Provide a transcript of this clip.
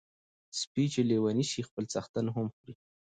سپي چی لیوني سی خپل څښتن هم خوري .